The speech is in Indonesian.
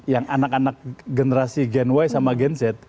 yang anak anak generasi gen y sama gen z